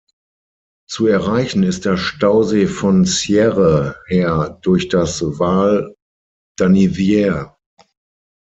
Zu erreichen ist der Stausee von Sierre her durch das Val d’Anniviers.